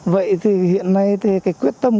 vậy thì hiện nay thì cái quyết tâm